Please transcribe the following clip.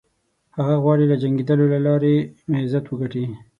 هغه غواړي له جنګېدلو له لارې عزت وګټي.